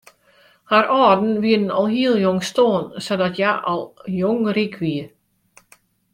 Har âlden wiene al hiel jong stoarn sadat hja al jong ryk wie.